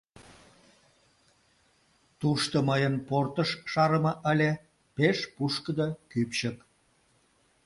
Тушто мыйын портыш шарыме ыле, пеш пушкыдо кӱпчык...